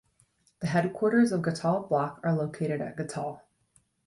The headquarters of Ghatal Block are located at Ghatal.